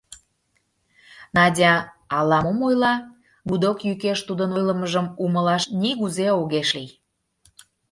Надя ала мом ойла, гудок йӱкеш тудын ойлымыжым умылаш нигузе огеш лий.